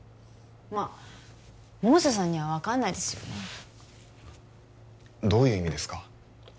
まあ百瀬さんには分かんないですよねどういう意味ですか？